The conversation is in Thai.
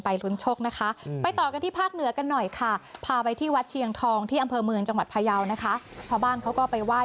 อำเภอเมืองจังหวัดพยาวชาวบ้านเขาก็ไปว่าย